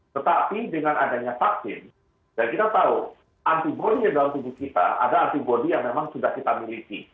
tetapi dengan adanya vaksin dan kita tahu antibody dalam tubuh kita ada antibody yang memang sudah kita miliki